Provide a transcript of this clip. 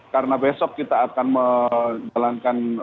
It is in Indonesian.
karena besok kita akan menjalankan